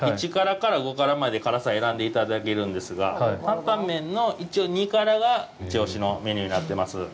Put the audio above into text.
１辛から５辛まで辛さを選んでいただけるんですが、担々麺の一応２辛がイチオシのメニューになってます。